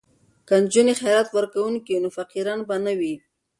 که نجونې خیرات ورکوونکې وي نو فقیران به نه وي.